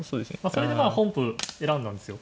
それでまあ本譜選んだんですよ。